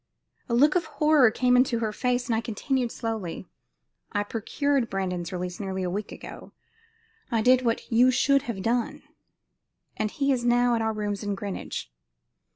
A look of horror came into her face, and I continued slowly: "I procured Brandon's release nearly a week ago; I did what you should have done, and he is now at our rooms in Greenwich."